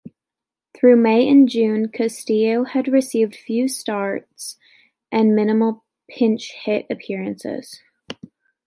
Through May and June, Castillo had received few starts and minimal pinch hit appearances.